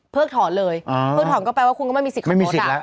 เพิกถอนเลยเพิกถอนก็แปลว่าคุณก็ไม่มีสิทธิ์ขอโทษ